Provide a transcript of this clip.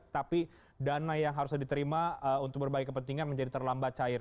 tapi dana yang harus diterima untuk berbagai kepentingan menjadi terlambat cair